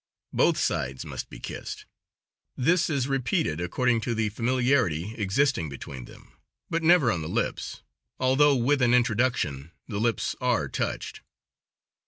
Both sides must be kissed; this is repeated according to the familiarity existing between them, but never on the lips, although with an introduction the lips are touched.